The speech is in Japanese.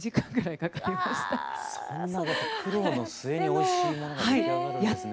そんなご苦労の末においしいものが出来上がるんですね。